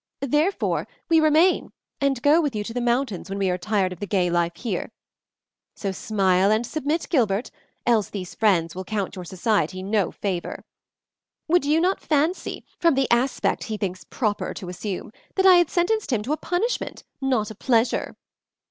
Therefore we remain and go with you to the mountains when we are tired of the gay life here. So smile and submit, Gilbert, else these friends will count your society no favor. Would you not fancy, from the aspect he thinks proper to assume, that I had sentenced him to a punishment, not a pleasure?"